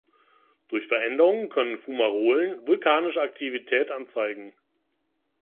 Durch Veränderungen können Fumarolen vulkanische Aktivität anzeigen.